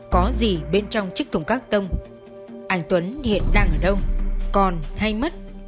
có gì bên trong chiếc thùng các tông anh tuấn hiện đang ở đâu còn hay mất